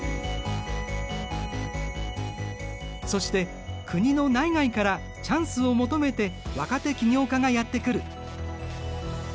そして国の内外からチャンスを求めて若手起業家がやって来る。